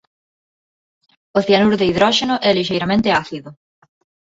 O cianuro de hidróxeno é lixeiramente ácido.